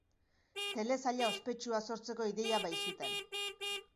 Telesaila ospetsua sortzeko ideia baizuten.